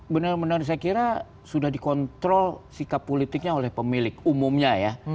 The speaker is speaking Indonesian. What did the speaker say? benar benar saya kira sudah dikontrol sikap politiknya oleh pemilik umumnya ya